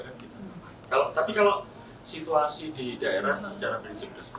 tapi kalau situasi di daerah secara prinsipnya